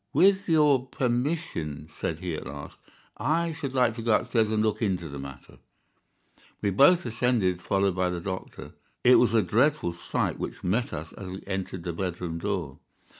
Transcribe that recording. "With your permission," said he at last, "I should like to go upstairs and look into the matter." We both ascended, followed by the doctor. It was a dreadful sight which met us as we entered the bedroom door.